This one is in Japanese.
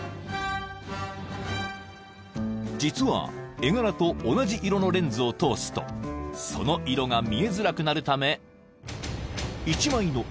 ［実は絵柄と同じ色のレンズを通すとその色が見えづらくなるため１枚の絵がまったく別の絵柄に］